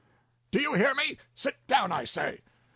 "Do you hear me? Sit down, I say!"